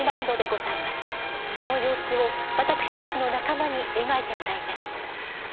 その様子を私たちの仲間に描いてもらいます。